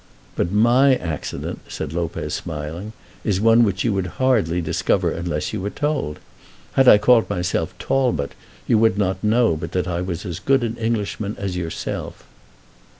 "But my accident," said Lopez smiling, "is one which you would hardly discover unless you were told. Had I called myself Talbot you would not know but that I was as good an Englishman as yourself."